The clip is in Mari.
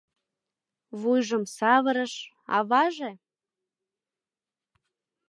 Вуйжым савырыш — аваже!